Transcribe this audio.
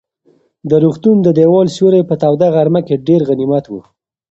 د روغتون د دېوال سیوری په توده غرمه کې ډېر غنیمت و.